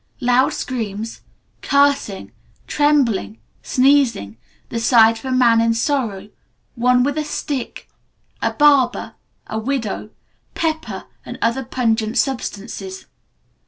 loud screams, cursing, trembling, sneezing, the sight of a man in sorrow, one with a stick, a barber, a widow, pepper, and other pungent substances.